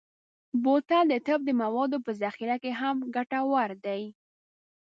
بوتل د طب موادو په ذخیره کې هم ګټور دی.